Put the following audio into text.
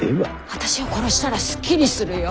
あたしを殺したらすっきりするよ。